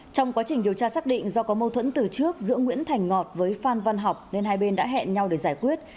trong quá trình điều tra xác định do có mâu thuẫn từ trước giữa nguyễn thành ngọt với phan văn học nên hai bên đã hẹn nhau để giải quyết